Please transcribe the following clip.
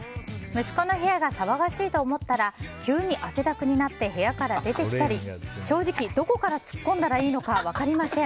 息子の部屋が騒がしいと思ったら急に汗だくになって部屋から出てきたり正直、どこからツッコんだらいいか分かりません。